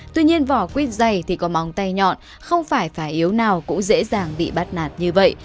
tuy nhiên vỏ quýt dày thì có móng tay nhọn không phải phải yếu nào cũng dễ dàng bị bắt nạt như vậy